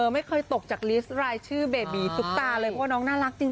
ไม่เคยตกจากลิสต์รายชื่อเบบีซุปตาเลยเพราะว่าน้องน่ารักจริง